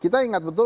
kita ingat betul